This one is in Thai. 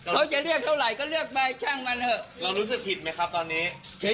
เขาจะเลือกเท่าไหร่ก็เลือกไปช่างมันเหอะ